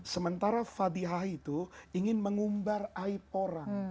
sementara fadihah itu ingin mengumbar aib orang